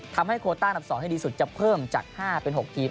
ทำให้โควร์ต้านัดสองให้ดีกว่าจะเพิ่มจาก๕๖ทีม